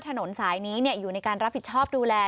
ถนนสายนี้อยู่ในการรับผิดชอบดูแล